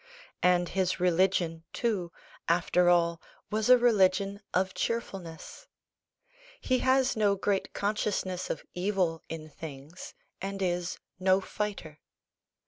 And his religion, too, after all, was a religion of cheerfulness: he has no great consciousness of evil in things, and is no fighter.